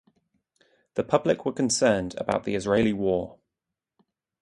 The public were concerned about the Israeli war.